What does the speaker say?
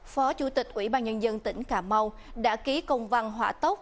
phó chủ tịch ủy ban nhân dân tỉnh cà mau đã ký công văn hỏa tốc